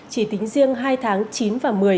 chỉ tính riêng hai tháng chín và một mươi